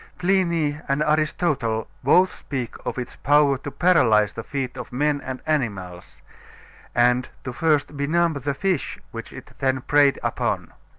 Pliny and Aristotle both speak of its power to paralyze the feet of men and animals, and to first benumb the fish which it then preyed upon.